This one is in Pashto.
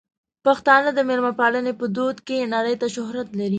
پښتانه د مېلمه پالنې په دود کې نړۍ ته شهرت لري.